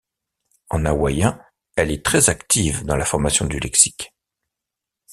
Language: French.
En hawaïen, elle est très active dans la formation du lexique.